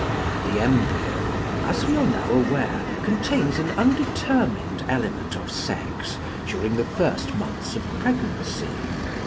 The embryo, as we are now aware, contains an undetermined element of sex during the first months of pregnancy.